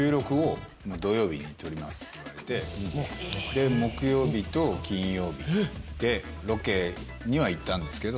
で木曜日と金曜日でロケには行ったんですけど。